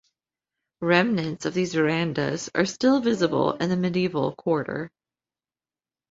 Remnants of these verandas are still visible in the medieval quarter.